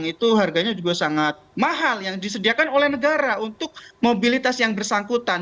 itu harganya juga sangat mahal yang disediakan oleh negara untuk mobilitas yang bersangkutan